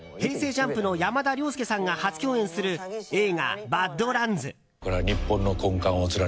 ＪＵＭＰの山田涼介さんが初共演する映画「バッド・ランズ」。